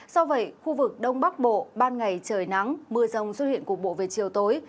do vậy khu vực đông bắc bộ ban ngày trời nắng mưa rông xuất hiện cục bộ về chiều tối